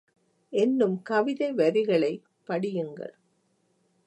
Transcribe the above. என்னும் கவிதை வரிகளைப் படியுங்கள்.